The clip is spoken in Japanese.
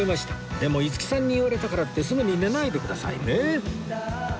でも五木さんに言われたからってすぐに寝ないでくださいね